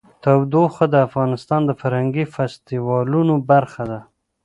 تودوخه د افغانستان د فرهنګي فستیوالونو برخه ده.